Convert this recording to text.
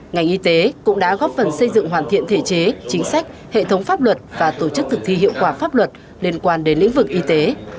ngành y tế cũng đã góp phần xây dựng hoàn thiện thể chế chính sách hệ thống pháp luật và tổ chức thực thi hiệu quả pháp luật liên quan đến lĩnh vực y tế